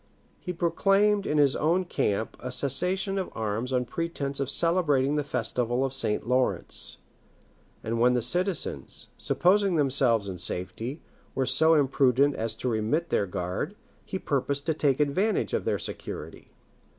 He proclaimed in his own camp a cessation of arms on pretence of celebrating the festival of St. Laurence; and when the citizens, supposing themselves in safety, were so imprudent as to remit their guard, he purposed to take advantage of their security.